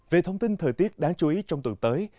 về thông tin thời tiết đáng chú ý trong tuần tới